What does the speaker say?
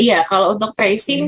iya kalau untuk tracing